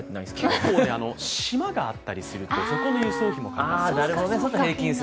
結構島があったりすると、そこの輸送費もかかる。